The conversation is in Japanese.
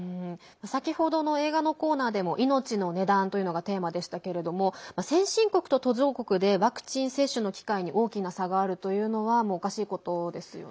先ほどの映画のコーナーでも命の値段というのがテーマでしたけれども先進国と途上国でワクチン接種の機会に大きな差があるというのはおかしいことですよね。